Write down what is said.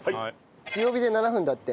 強火で７分だって。